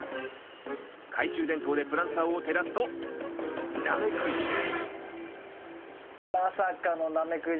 懐中電灯でプランターを照らすとナメクジですまさかのナメクジ。